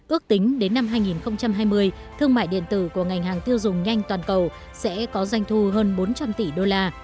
ước tính đến năm hai nghìn hai mươi thương mại điện tử của ngành hàng tiêu dùng nhanh toàn cầu sẽ có doanh thu hơn bốn trăm linh tỷ đô la